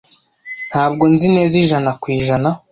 Ntabwo nzi neza ijana ku ijana.